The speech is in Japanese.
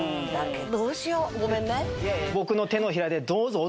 どうしようごめんね。